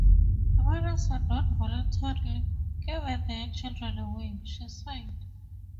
Mothers had not voluntarily given their children away, she said.